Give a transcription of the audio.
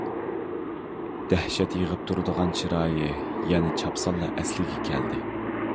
دەھشەت يېغىپ تۇرىدىغان چىرايى يەنە چاپسانلا ئەسلىگە كەلدى.